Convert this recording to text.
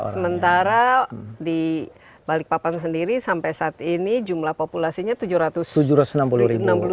sementara di balipapan sendiri sampai saat ini jumlah populasinya tujuh ratus enam puluh ribu